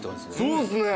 そうですね。